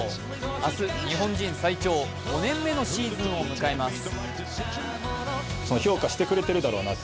明日、日本人最長、５年目のシーズンを迎えます。